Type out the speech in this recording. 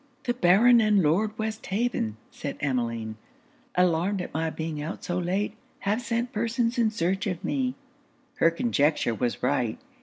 'The Baron and Lord Westhaven,' said Emmeline, 'alarmed at my being out so late, have sent persons in search of me.' Her conjecture was right.